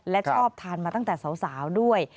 และชอบทานมาตั้งแต่สาวด้วย